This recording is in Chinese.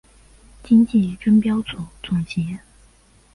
今季争标组总结。